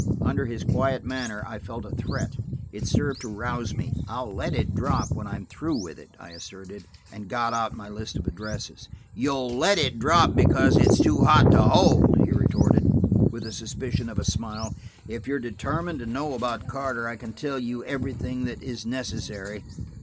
Under his quiet manner I felt a threat: it served to rouse me. "I'll let it drop when I'm through with it," I asserted, and got out my list of addresses. "You'll let it drop because it's too hot to hold," he retorted, with the suspicion of a smile. "If you are determined to know about Carter, I can tell you everything that is necessary."